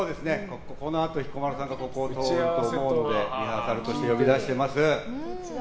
このあと彦摩呂さんがここを通ると思うのでリハーサル室に呼び出しています。